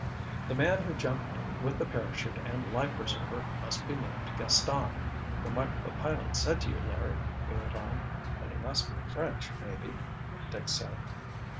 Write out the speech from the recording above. "The man who jumped with the parachute and life preserver must be named Gaston—from what the pilot said to you, Larry," he went on. "Then he must be French, maybe," Dick said.